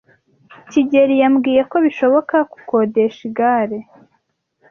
kigeli yambwiye ko bishoboka gukodesha igare.